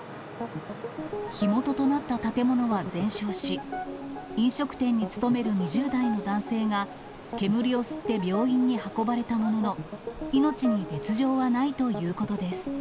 火元となった建物は全焼し、飲食店に勤める２０代の男性が、煙を吸って病院に運ばれたものの、命に別状はないということです。